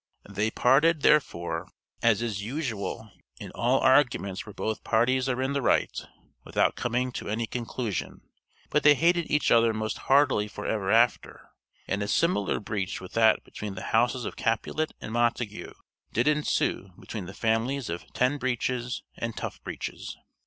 They parted, therefore, as is usual in all arguments where both parties are in the right, without coming to any conclusion; but they hated each other most heartily for ever after, and a similar breach with that between the houses of Capulet and Montague did ensue between the families of Ten Breeches and Tough Breeches.